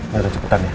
biar gue cepetan ya